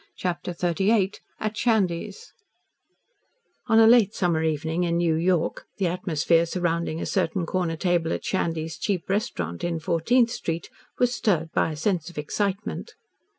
CHAPTER XXXVIII AT SHANDY'S On a late summer evening in New York the atmosphere surrounding a certain corner table at Shandy's cheap restaurant in Fourteenth Street was stirred by a sense of excitement.